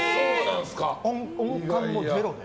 音感もゼロで。